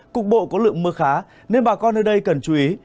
cục bộ có lượng mưa khá nên bà con nơi đây cần chú ý